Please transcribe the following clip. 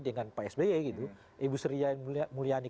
dengan pak sby gitu ibu sri mulyani